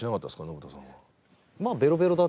信人さんは。